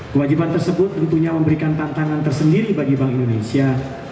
kewajiban tersebut tentunya memberikan tantangan tersendiri bagi bank indonesia